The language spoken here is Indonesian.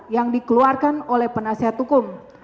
yang dikeluarkan oleh penasihat hukum